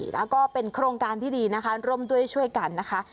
แล้วก็เป็นโครงการที่ดีนะคะร่วมด้วยช่วยกันนะคะ